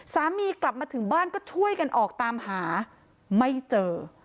สามีกลับมาถึงบ้านก็ช่วยกันออกตามหาไม่เจอ